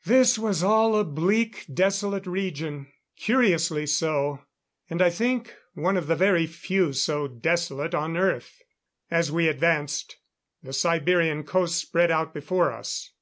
] This was all a bleak, desolate region curiously so and I think, one of the very few so desolate on Earth. As we advanced, the Siberian coast spread out before us.